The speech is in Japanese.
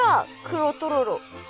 黒とろろ。